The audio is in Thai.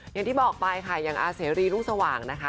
อย่างที่บอกไปค่ะอย่างอาเสรีรุ่งสว่างนะคะ